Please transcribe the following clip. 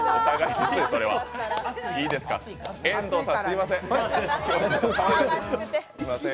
遠藤さん、すみません。